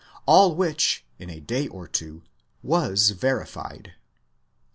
All which, in a day or two, was verified.